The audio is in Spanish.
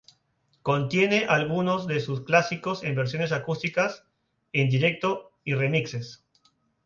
Contiene algunos de sus clásicos en versiones acústicas, en directo y remixes.